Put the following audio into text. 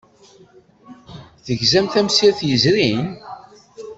Tegzam tamsirt yezrin?